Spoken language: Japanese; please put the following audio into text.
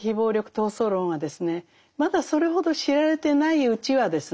まだそれほど知られてないうちはですね